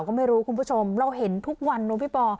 ก็ไม่รู้คุณผู้ชมเราเห็นทุกวันเนอะพี่ปอ